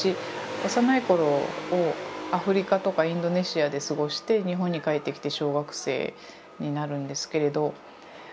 幼い頃をアフリカとかインドネシアで過ごして日本に帰ってきて小学生になるんですけれど。